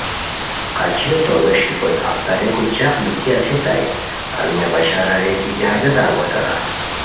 قچیو تو ووݰکی کوری اف تاریکو چق بیتی استائے ہرونیہ بشار اریر کیہ حاجتہ انگوسان